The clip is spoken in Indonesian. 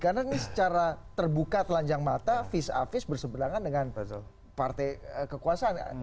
karena ini secara terbuka telanjang mata vis a vis berseberangan dengan partai kekuasaan